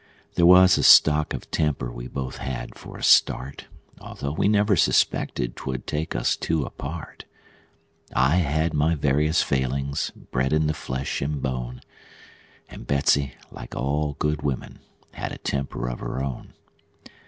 There was a stock of temper we both had for a start, Although we never suspected 'twould take us two apart; I had my various failings, bred in the flesh and bone; And Betsey, like all good women, had a temper of her own.